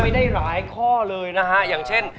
ได้หลายข้อเลยนะฮะอย่างเช่น